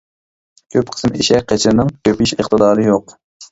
كۆپ قىسىم ئېشەك قېچىرنىڭ كۆپىيىش ئىقتىدارى يوق.